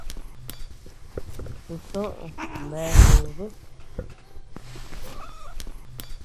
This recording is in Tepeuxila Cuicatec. Tusoʼö bea dúdut.